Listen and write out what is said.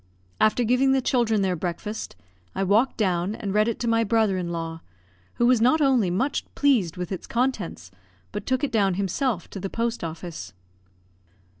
After giving the children their breakfast, I walked down and read it to my brother in law, who was not only much pleased with its contents, but took it down himself to the post office.